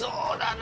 な